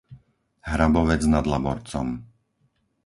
Hrabovec nad Laborcom